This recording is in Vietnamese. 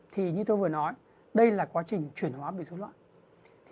thì như tôi vừa nói đây là quá trình chuyển hóa bệnh thuốc loại